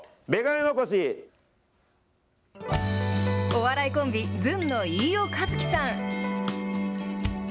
お笑いコンビ、ずんの飯尾和樹さん。